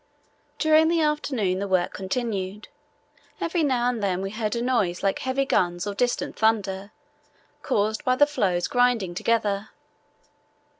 During the afternoon the work continued. Every now and then we heard a noise like heavy guns or distant thunder, caused by the floes grinding together.